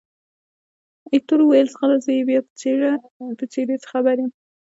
ایټور وویل، ځغله! زه یې بیا په څېرې څه خبر یم؟